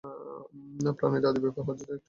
প্রাণের আদি ব্যাপার হচ্ছে এই জটিল অণু।